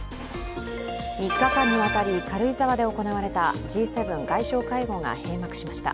３日間にわたり軽井沢で行われたＧ７外相会合が閉幕しました。